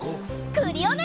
クリオネ！